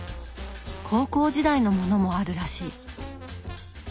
高校時代のものもあるらしい。